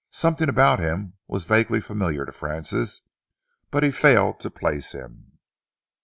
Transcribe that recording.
Something about him was vaguely familiar to Francis, but he failed to place him.